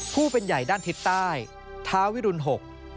ผู้เป็นใหญ่ด้านทิศใต้ท้าวิรุณหก